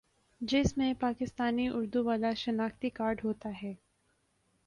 جس میں پاکستانی اردو والا شناختی کارڈ ہوتا ہے